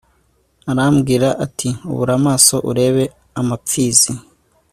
Arambwira ati Ubura amaso urebe amapfizi